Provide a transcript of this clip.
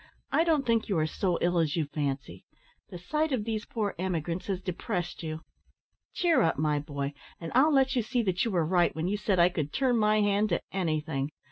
I don't think you are so ill as you fancy the sight of these poor emigrants has depressed you. Cheer up, my boy, and I'll let you see that you were right when you said I could turn my hand to anything.